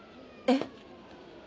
えっ！？